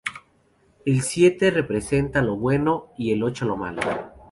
El siete representa lo bueno y el ocho lo malo.